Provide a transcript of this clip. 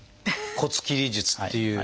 「骨切り術」っていう。